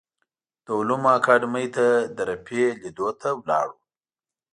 د علومو اکاډیمۍ ته د رفیع لیدو ته لاړو.